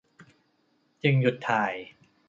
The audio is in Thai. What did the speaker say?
จึงหยุดถ่าย